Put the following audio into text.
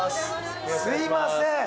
すいません。